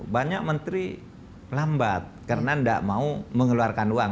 banyak menteri lambat karena tidak mau mengeluarkan uang